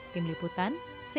tim liputan cnn indonesia